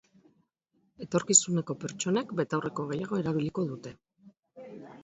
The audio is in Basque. Etorkizuneko pertsonek betaurreko gehiago erabiliko dute.